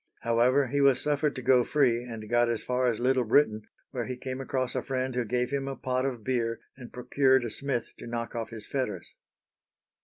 However, he was suffered to go free, and got as far as Little Britain, where he came across a friend who gave him a pot of beer and procured a smith to knock off his fetters.